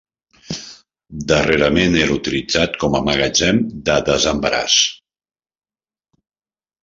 Darrerament era utilitzat com a magatzem de desembaràs.